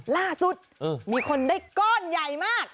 ล่าสุดมีคนได้ก้อนใหญ่มาก